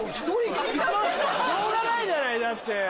しょうがないじゃないだって。